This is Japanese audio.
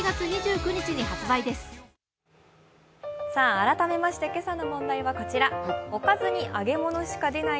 改めまして今朝の問題はこちら。